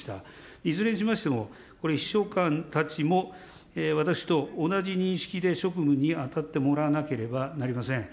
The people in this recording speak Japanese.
いずれにしましても、これ、秘書官たちも私と同じ認識で職務に当たってもらわなければなりません。